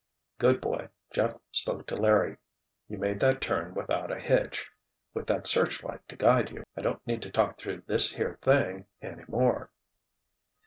"Good boy," Jeff spoke to Larry. "You made that turn without a hitch. With that searchlight to guide you, I don't need to talk through this here thing any more."